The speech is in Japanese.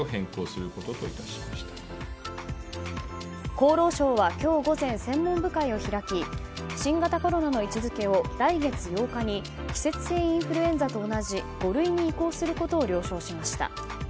厚労省は今日午前専門部会を開き新型コロナの位置付けを来月８日に季節性インフルエンザと同じ５類に移行することを了承しました。